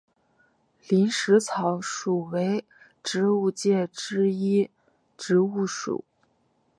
林石草属为植物界之一植物属。